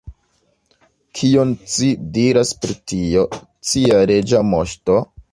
Kion ci diras pri tio, cia Reĝa Moŝto?